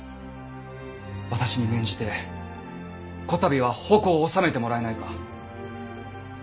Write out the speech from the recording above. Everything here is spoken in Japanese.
私に免じてこたびは矛を収めてもらえないか。